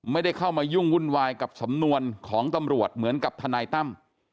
ไม่ได้เข้ามายุ่งวุ่นวายกับสำนวนของตำรวจเหมือนกับทนายตั้ม